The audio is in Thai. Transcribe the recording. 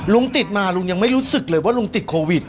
ลุงติดมาลุงยังไม่รู้สึกเลยว่าลุงติดโควิด